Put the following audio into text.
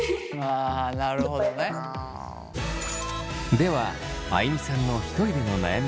ではあいみさんのひとりでの悩み